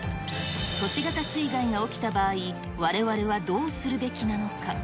都市型水害が起きた場合、われわれはどうするべきなのか。